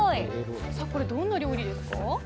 これ、どんな料理ですか？